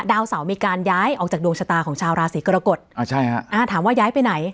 ดาวเสามีการย้ายออกจากดวงชะตาของชาวราศีกรกฎอ่าใช่ฮะอ่าถามว่าย้ายไปไหน